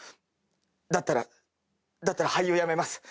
だったらだったら俳優辞めます。